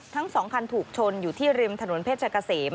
ทั้ง๒คันถูกชนอยู่ที่ริมถนนเพชรเกษม